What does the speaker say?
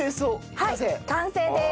はい完成です。